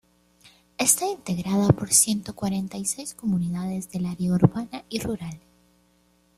Está integrada por ciento cuarenta y seis comunidades del área urbana y rural.